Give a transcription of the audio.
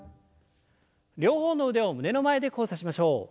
両方の腕を胸の前で交差しましょう。